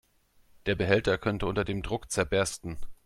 Der Behälter könnte unter dem Druck zerbersten.